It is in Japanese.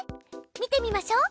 見てみましょう。